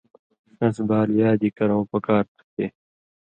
ݜس بال یادی کرؤں پکار تُھو چے